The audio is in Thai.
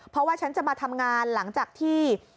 เพราะว่าฉันจะมาทำงานหลังจากที่